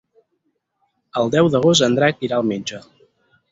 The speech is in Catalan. El deu d'agost en Drac irà al metge.